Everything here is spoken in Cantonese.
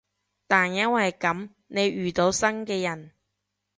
但因為噉，你遇到新嘅人